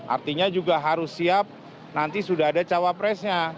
artinya juga harus siap nanti sudah ada cawapresnya